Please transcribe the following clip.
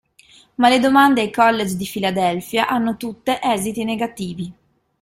Ma le domande ai college di Philadelphia hanno tutte esiti negativi.